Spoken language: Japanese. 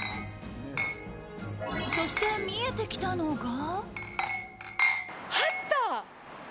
そして見えてきたのが。